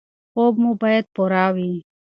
خوب مو باید پوره وي.